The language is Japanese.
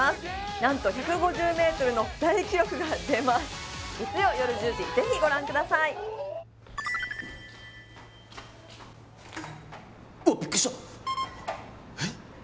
何と１５０ｍの大記録が出ます月曜夜１０時ぜひご覧くださいおっビックリした！